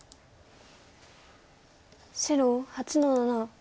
白８の七。